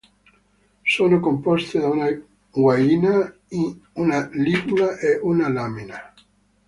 Sono composte da una guaina, una ligula e una lamina.